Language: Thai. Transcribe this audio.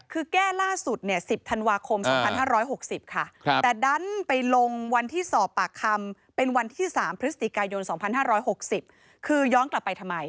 คือแก้ล่าสุด๑๐ธันวาคม๒๕๖๐ค่ะแต่ดันไปลงวันที่สอบปากคำเป็นวันที่๓พฤศจิกายน๒๕๖๐คือย้อนกลับไปทำไม